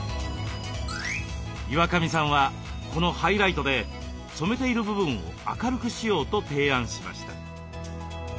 岩上さんはこのハイライトで染めている部分を明るくしようと提案しました。